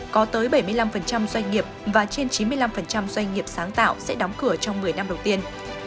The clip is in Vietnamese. có tới bảy mươi năm doanh nghiệp và trên chín mươi năm doanh nghiệp sáng tạo sẽ đóng cửa trong một mươi năm đầu tiên